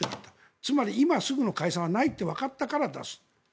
つまり、今すぐの解散がないってわかったから出す。